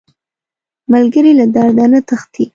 ملګری له درده نه تښتي